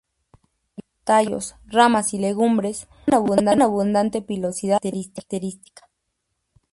Tallos, ramas y legumbres muestran abundante pilosidad característica.